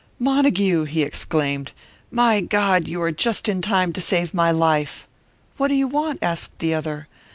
"Montague!" he exclaimed. "My God, you are just in time to save my life!" "What do you want?" asked the other.